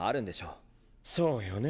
そうよね